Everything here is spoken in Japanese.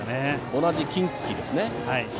同じ近畿ですね。